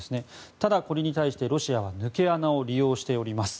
ただ、これに対してロシアは抜け穴を利用しています。